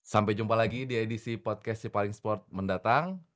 sampai jumpa lagi di edisi podcast si paling sport mendatang